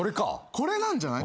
これなんじゃない？